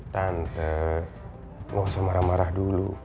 tante gak usah marah marah dulu